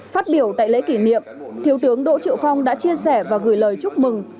phát biểu tại lễ kỷ niệm thiếu tướng đỗ triệu phong đã chia sẻ và gửi lời chúc mừng